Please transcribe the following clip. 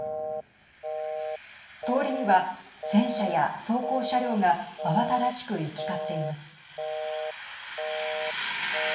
通りには戦車や装甲車両が慌ただしく行き交っています。